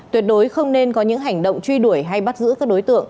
tuyệt đối không nên có những hành động truy đuổi hay bắt giữ các đối tượng